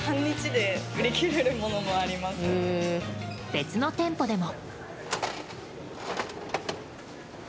別の店舗でも。